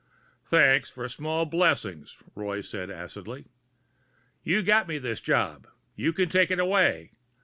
"Thanks for small blessings," Roy said acidly. "You got me this job. You can take it away.